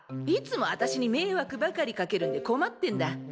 いつもあたしに迷惑ばかりかけるんで困ってんだ。